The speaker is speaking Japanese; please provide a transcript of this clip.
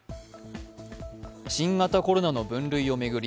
新型コロナの分類を巡り